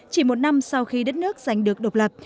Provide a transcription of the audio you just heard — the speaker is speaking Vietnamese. chỉ một năm sau khi đất nước giành được độc lập